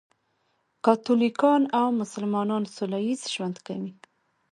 کاتولیکان او مسلمانان سولهییز ژوند کوي.